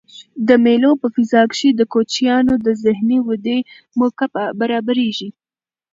د مېلو په فضا کښي د کوچنيانو د ذهني ودي موقع برابریږي.